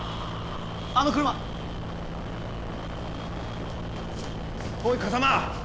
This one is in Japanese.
あの車！おい風真！